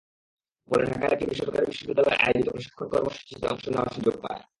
পরে ঢাকার একটি বেসরকারি বিশ্ববিদ্যালয় আয়োজিত প্রশিক্ষণ কর্মসূচিতে অংশ নেওয়ার সুযোগ পায়।